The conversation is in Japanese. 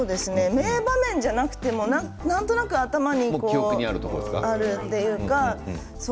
名場面じゃなくてもなんとなく頭にあるというか。